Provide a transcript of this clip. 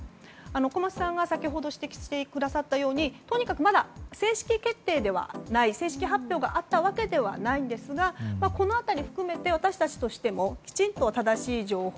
小松さんが先ほど指摘したようにとにかく、まだ正式決定ではない正式発表があったわけではないんですがこの辺りを含めて私たちとしてもきちんと正しい情報